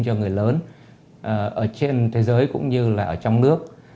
cho người lớn ở trên thế giới cũng như là ở trong nước